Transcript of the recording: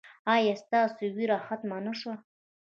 ایا ستاسو ویره ختمه نه شوه؟